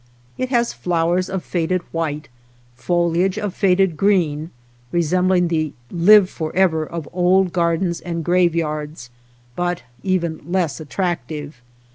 It has flowers of faded white, foliage of faded 239 OTHER WATER BORDERS green, resembling the " live for ever " of old gardens and graveyards, but even less at tractive.